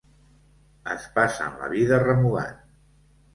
Es passen la vida remugant.